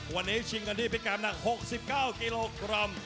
วันนี้ชิงกันที่พิการหนัก๖๙กิโลกรัม